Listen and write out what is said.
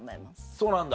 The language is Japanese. そうなんだ。